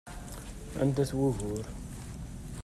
Anda-t wugur?